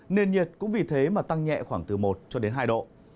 nền nhiệt cũng vì thế mà tăng nhẹ khoảng từ một cho đến hai độ